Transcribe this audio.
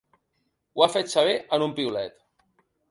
Ho ha fet saber en un piulet.